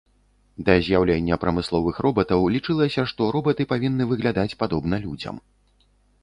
Да з'яўлення прамысловых робатаў лічылася, што робаты павінны выглядаць падобна людзям.